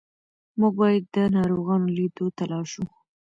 موږ باید د ناروغانو لیدو ته لاړ شو.